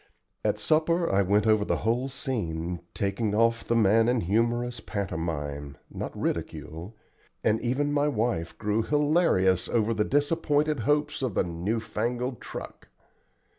At supper I went over the whole scene, taking off the man in humorous pantomime, not ridicule, and even my wife grew hilarious over her disappointed hopes of the "new fangled truck."